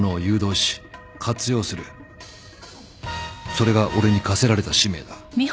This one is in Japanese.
それが俺に課せられた使命だ。